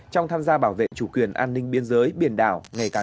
trong tham gia bảo vệ chủ quyền an ninh biên giới biển đảo